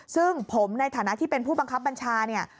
ซึ่งผมในฐานะที่เป็นผู้บังคับบัญชาเนี่ย